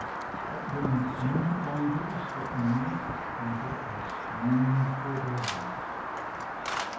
But when imminent danger is threatening me I get these strange forebodings.